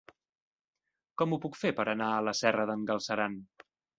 Com ho puc fer per anar a la Serra d'en Galceran?